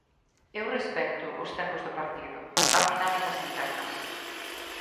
Eu respecto os tempos do partido, as dinámicas internas.